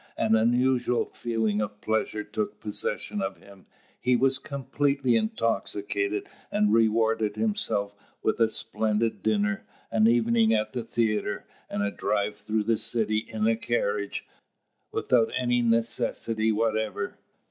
An unusual feeling of pleasure took possession of him: he was completely intoxicated, and rewarded himself with a splendid dinner, an evening at the theatre, and a drive through the city in a carriage, without any necessity whatever.